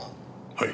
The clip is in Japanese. はい。